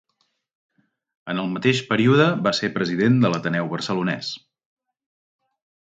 En el mateix període va ser president de l'Ateneu Barcelonès.